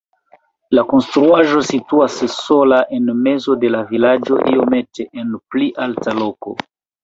La konstruaĵo situas sola en mezo de la vilaĝo iomete en pli alta loko.